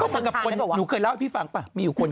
ก็เหมือนกับคน